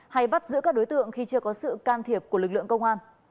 hay bắt giữ các đối tượng khi chưa có sự can thiệp của lực lượng công an